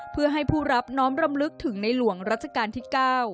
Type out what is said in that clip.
เพื่อให้ผู้รับน้อมรำลึกถึงในหลวงรัชกาลที่๙